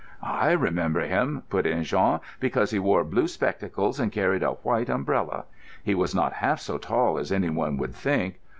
"I remember him," put in Jean, "because he wore blue spectacles and carried a white umbrella. He was not half so tall as anyone would think.